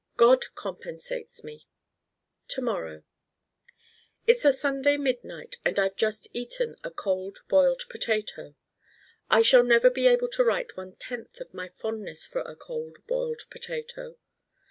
God compensates me To morrow It's a Sunday midnight and I've just eaten a Cold Boiled Potato. I shall never be able to write one tenth of my fondness for a Cold Boiled Potato.